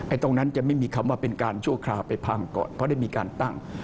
ตรงนั้นจะไม่มีคำว่าเป็นการชั่วคราวไปพังก่อนเพราะได้มีการตั้ง